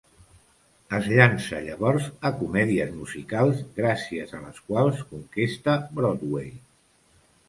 Es llança, llavors, a comèdies musicals gràcies a les quals conquesta Broadway.